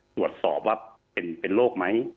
ตรวจสอบว่าเป็นโรคไหม